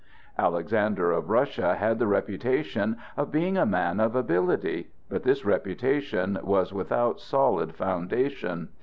Alexander of Russia had the reputation of being a man of ability; but this reputation was without solid foundation.